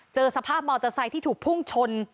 เจอสภาพมอเตอร์ไซค์ที่ถูกพุ่งชน